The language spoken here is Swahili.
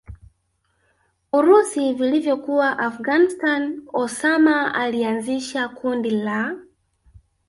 urusi vilivyokuwa Afghanstani Osama alianzisha kundi la